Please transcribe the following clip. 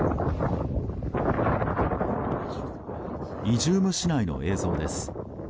イジューム市内の映像です。